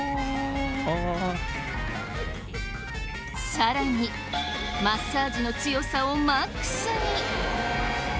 さらにマッサージの強さをマックスに！